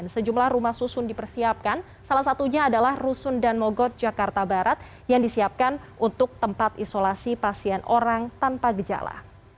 sejumlah rumah susun dipersiapkan salah satunya adalah rusun dan mogot jakarta barat yang disiapkan untuk tempat isolasi pasien orang tanpa gejala